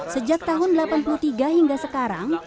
sejak tahun delapan puluh tiga hingga sekarang